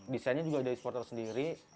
desainnya juga dari supporter sendiri